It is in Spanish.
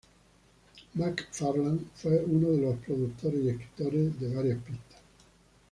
MacFarlane fue uno de los productores y escritores de varias pistas.